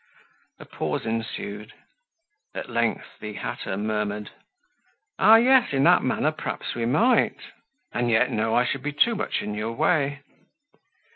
A pause ensued. At length the hatter murmured: "Ah, yes, in that manner perhaps we might. And yet no, I should be too much in your way."